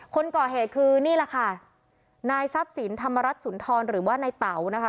คนก่อเหตุคือนี่แหละค่ะนายทรัพย์สินธรรมรัฐสุนทรหรือว่านายเต๋านะคะ